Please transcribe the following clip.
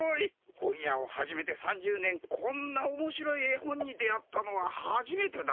本屋を始めて３０年こんなおもしろい絵本に出会ったのははじめてだ！